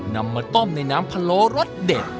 นำมาต้มในน้ำพะโล้รสเด็ด